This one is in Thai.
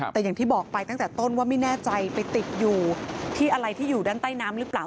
แต่อย่างที่บอกไปตั้งแต่ต้นว่าไม่แน่ใจไปติดอยู่ที่อะไรที่อยู่ด้านใต้น้ำหรือเปล่า